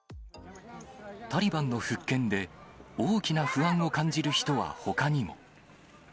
タリバンの復権で、大きな不安を感じる人はほかにも。